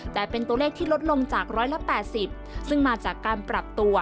แต่เป็นตัวเลขที่ลดลงจาก๑๘๐ซึ่งมาจากการปรับตัว